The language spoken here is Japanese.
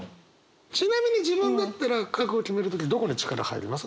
ちなみに自分だったら覚悟を決める時どこに力入ります？